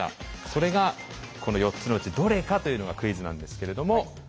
それがこの４つのうちどれかというのがクイズなんですけれども。